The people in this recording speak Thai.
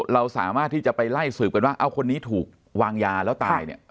เราสามารถที่จะไปไล่สืบกันว่าเอาคนนี้ถูกวางยาแล้วตายเนี่ย